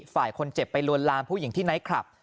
ไฝ่คนเจ็บไปลวนรามที่พี่หญิงนายท์คลับ